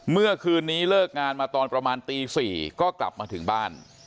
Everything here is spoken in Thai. เมื่อคืนนี้เลิกงานมาตอนประมาณตี๔ก็กลับมาถึงบ้าน